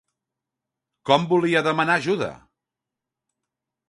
Com volia demanar ajudar?